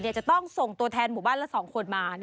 จะต้องส่งตัวแทนหมู่บ้านละ๒คนมา